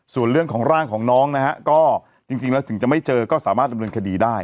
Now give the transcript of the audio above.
ส่วนเรื่องของร่างของน้องนะฮะก็จริงแล้วถึงจะไม่เจอก็สามารถดำเนินคดีได้